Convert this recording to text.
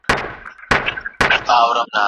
فساد د ټولني اخلاقي زوال دی.